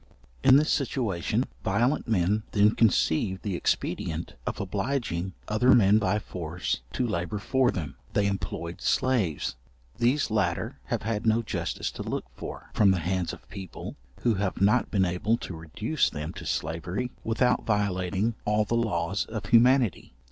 In this situation violent men then conceived the expedient of obliging other men by force to labour for them. They employed slaves. These latter have had no justice to look for, from the hands of people, who have not been able to reduce them to slavery without violating all the laws of humanity.